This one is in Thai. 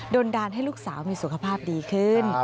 นดาลให้ลูกสาวมีสุขภาพดีขึ้น